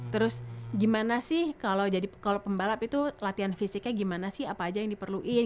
terus gimana sih kalau jadi kalau pembalap itu latihan fisiknya gimana sih apa aja yang diperluin